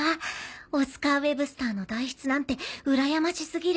オスカー・ウェブスターの代筆なんてうらやまし過ぎる。